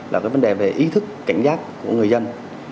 là cái vấn đề về ý thức cảnh giác của người dân